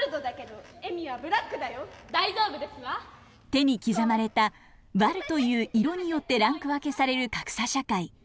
手に刻まれたヴァルという色によってランク分けされる格差社会。